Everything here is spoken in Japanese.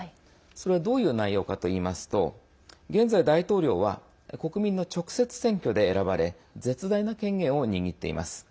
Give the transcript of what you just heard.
それはどういう内容かといいますと現在、大統領は国民の直接選挙で選ばれ絶大な権限を握っています。